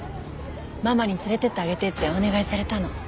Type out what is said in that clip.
ママに連れて行ってあげてってお願いされたの。